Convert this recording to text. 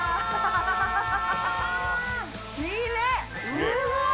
すごーい。